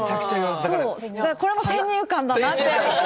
これも先入観だなって。